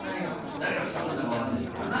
誰が使ったんだか分かんねえんだからな。